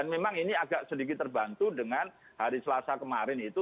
dan memang ini agak sedikit terbantu dengan hari selasa kemarin itu